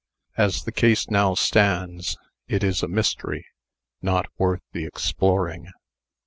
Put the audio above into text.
As the case now stands, it is a mystery, not worth the exploring."